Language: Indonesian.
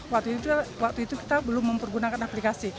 waktu itu kita belum mempergunakan aplikasi